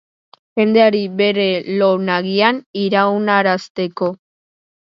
Jendeari bere lo nagian iraunarazteko.